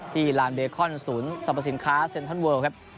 ลานเบคอนศูนย์สรรพสินค้าเซ็นทรัลเวิลครับ